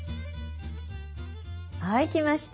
はいきました。